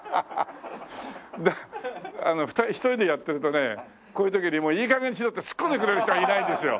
あの１人でやってるとねこういう時にいい加減にしろってツッコんでくれる人がいないんですよ。